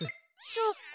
そっか。